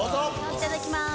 いただきます。